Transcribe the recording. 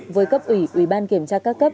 với cấp ủy ủy ban kiểm tra các cấp